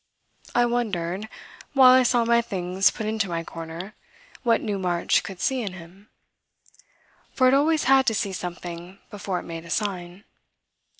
I wondered, while I saw my things put into my corner, what Newmarch could see in him for it always had to see something before it made a sign.